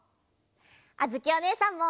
あづきおねえさんも。